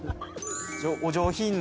お上品な。